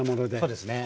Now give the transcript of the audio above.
そうですね。